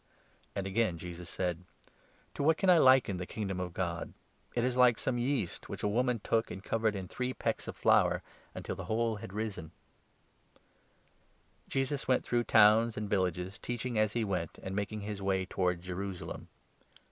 " And again Jesus said :. 20 Parable "To what can I liken the Kingdom of God? of the It is like some yeast which a woman took and 21 Leaven. covered in three pecks of flour, until the whole had risen." The narrow Jesus went through towns and villages, teach 22 Door. ing as he went, and making his way towards Jerusalem.